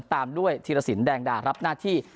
ตามด้วยธีรสินแดงดารับหน้าที่